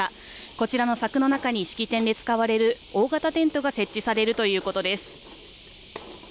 こちらの柵の中に式典で使われる大型テントが設置される予定だということです。